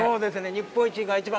日本一が一番。